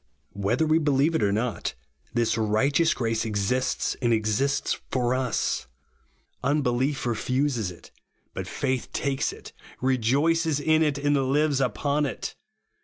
Whether we believe it or not, this righteous grace exists, and exists for us. Unbelief refuses it ; but faith takes it, rejoices in it, and lives upon it.